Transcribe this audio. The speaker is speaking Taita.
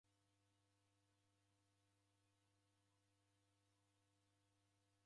Ugho w'asi ghuduagha.